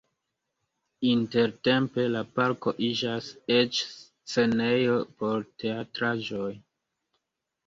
Intertempe la parko iĝas eĉ scenejo por teatraĵoj.